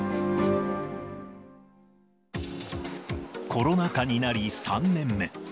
コロナ禍になり、３年目。